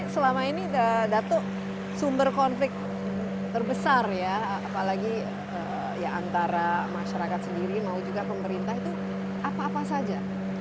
selama ini dato sumber konflik terbesar ya apalagi ya antara masyarakat sendiri mau juga pemerintah itu apa apa saja